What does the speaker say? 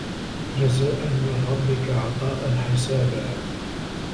جَزاءً مِن رَبِّكَ عَطاءً حِسابًا